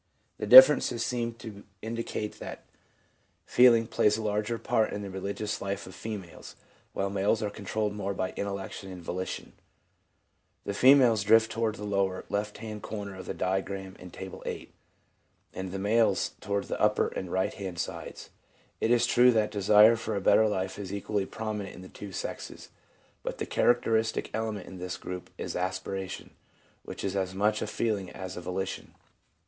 The differences seem to indicate that feeling plays a larger part in the religious life of females ', while males are controlled more by intellection and volition. The females drift toward the lower left hand corner of the diagram in Table VIII., and the males toward the upper and right hand sides. It is true that desire for a better life is equally prominent in the two sexes ; but the characteristic element in this group is aspiration, which is as much a feeling as a volition.